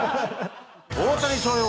大谷翔平